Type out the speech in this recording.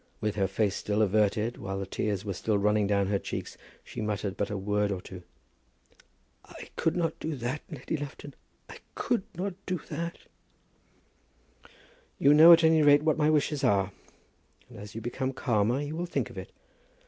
With her face still averted, while the tears were still running down her cheeks, she muttered but a word or two. "I could not do that, Lady Lufton; I could not do that." "You know at any rate what my wishes are, and as you become calmer you will think of it.